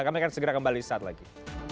kami akan segera kembali saat lagi